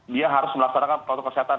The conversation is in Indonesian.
dia harus melaksanakan protokol kesehatan